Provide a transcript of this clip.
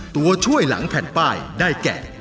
ตัวช่วยหลังแผ่นป้ายได้แก่